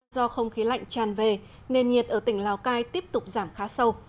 do không khí lạnh tràn về nền nhiệt ở tỉnh lào cai tiếp tục giảm khá sâu